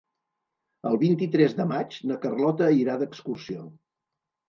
El vint-i-tres de maig na Carlota irà d'excursió.